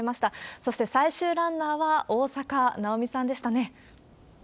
そして最終ランナーは大坂なおみさんでしたね。